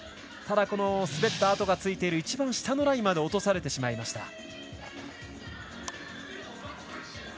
ただ、滑った跡がついている一番下のラインまで落とされてしまいました。